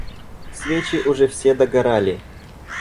Свечи уже все догорали.